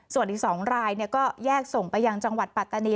ส่วนอีก๒รายก็แยกส่งไปยังจังหวัดปัตตานี